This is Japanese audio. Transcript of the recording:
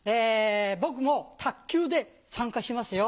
僕も卓球で参加しますよ。